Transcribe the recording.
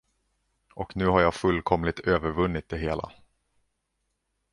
Och nu har jag fullkomligt övervunnit det hela.